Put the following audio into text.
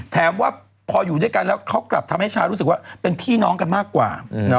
แถมว่าพออยู่ด้วยกันแล้วเขากลับทำให้ชารู้สึกว่าเป็นพี่น้องกันมากกว่า